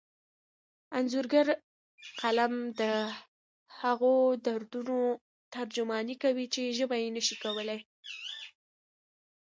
د انځورګر قلم د هغو دردونو ترجماني کوي چې ژبه یې نشي ویلی.